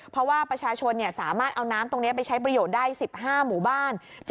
เพราะว่าประชาชนสามารถเอาน้ำตรงนี้ไปใช้ประโยชน์ได้๑๕หมู่บ้าน